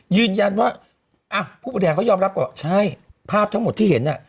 ยืนยันว่าอ่ะผู้บริหารเขายอมรับก่อนใช่ภาพทั้งหมดที่เห็นน่ะ